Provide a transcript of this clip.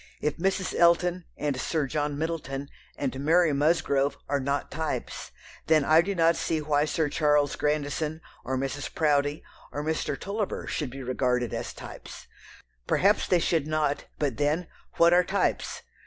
If Mrs. Elton, and Sir John Middleton, and Mary Musgrove are not types, then I do not see why Sir Charles Grandison, or Mrs. Proudie, or Mr. Tulliver should be regarded as types. Perhaps they should not, but then, what are types?